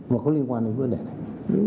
mà có liên quan đến vấn đề này